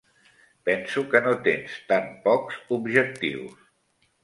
Penso que no tens tan pocs objectius.